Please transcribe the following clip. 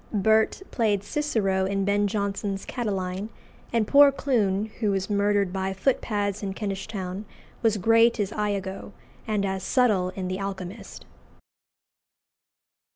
Burt played Cicero in Ben Jonson's "Catiline;" and poor Clun, who was murdered by footpads in Kentish Town, was great as Iago, and as Subtle in "The Alchymist."